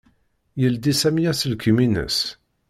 Yeldi Sami aselkim-ines.